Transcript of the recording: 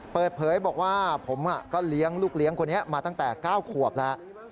เปิดเผยบอกว่าผมก็เลี้ยงลูกเลี้ยงคนนี้มาตั้งแต่๙ขวบแล้ว